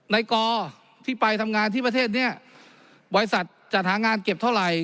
ในกอที่ไปทำงานที่ประเทศนี้บริษัทจัดหางานเก็บเท่าไหร่